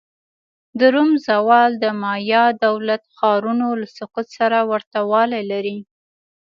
د روم زوال د مایا دولت ښارونو له سقوط سره ورته والی لري.